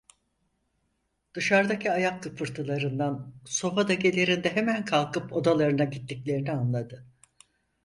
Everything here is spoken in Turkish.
Dışardaki ayak tıpırtılarından sofadakilerin de hemen kalkıp odalarına gittiklerini anladı.